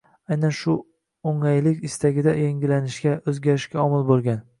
Aynan shu “o‘ng‘aylik” istagida yangilanishga, o‘zgarishga omil bo‘lgan